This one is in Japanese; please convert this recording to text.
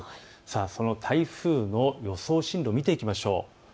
その台風の予想進路、見ていきましょう。